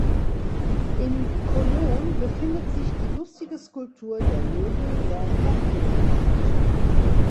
In Cholon befindet sich die lustige Skulptur "Der Löwe der Erdbeeren liebte".